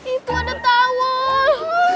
itu ada tawol